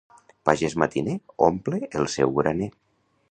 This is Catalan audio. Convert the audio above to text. Pagès matiner omple el seu graner.